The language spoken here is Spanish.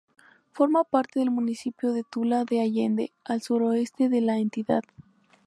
Forma parte del municipio de Tula de Allende, al suroeste de la entidad.